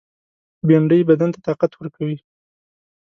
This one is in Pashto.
بېنډۍ بدن ته طاقت ورکوي